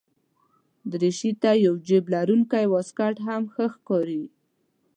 دریشي ته یو جېب لرونکی واسکټ هم ښه ښکاري.